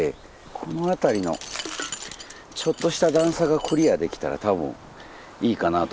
この辺りのちょっとした段差がクリアできたらたぶんいいかなと思うんですけど。